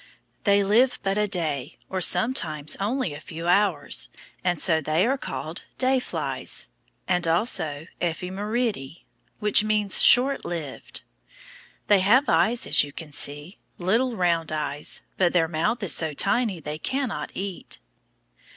They live but a day, or sometimes only a few hours, and so they are called day flies, and also ephemeræ, which means short lived. They have eyes, as you can see, little round eyes, but their mouth is so tiny they cannot eat.